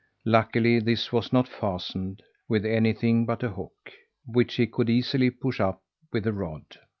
Luckily, this was not fastened with anything but a hook, which he could easily push up with a rod.